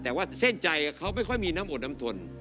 แต่ว่าเส้นใจเขาไม่ค่อยมีน้ำอดน้ำทน